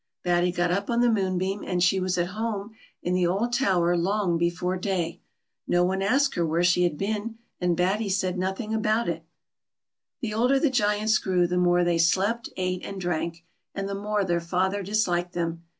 Batty got up on the moonbeam, and she was at home in the old tower long before day. No one asked her where she had been, and Batty said nothing about it. The older the Giants grew, the more they slept, ate, and drank, and the more their father disliked them.